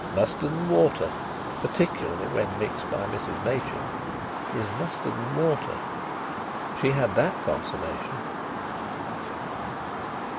Mustard and water, particularly when mixed by Mrs Machin, is mustard and water. She had that consolation.